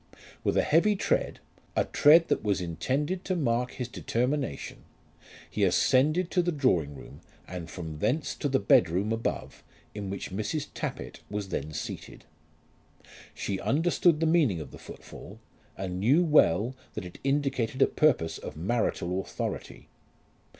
With a heavy tread, a tread that was intended to mark his determination, he ascended to the drawing room and from thence to the bed room above in which Mrs. Tappitt was then seated. She understood the meaning of the footfall, and knew well that it indicated a purpose of marital authority.